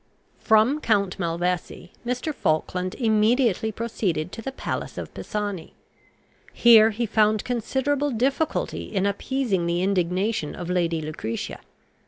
From Count Malvesi Mr. Falkland immediately proceeded to the palace of Pisani. Here he found considerable difficulty in appeasing the indignation of Lady Lucretia.